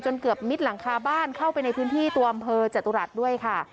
เกือบมิดหลังคาบ้านเข้าไปในพื้นที่ตัวอำเภอจตุรัสด้วยค่ะ